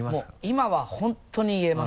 今は本当に言えますね。